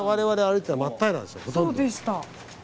そうでした。